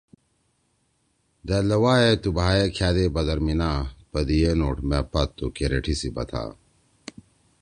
دأل دا وائے تُو بھائے کھأدے بدرمینا پدیِئے نھُوڑ مأ پادتُو کیریٹھی سی بتھا